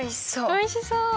おいしそ。